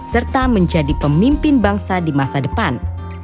serta menjadi pemimpin bangsa di masa depan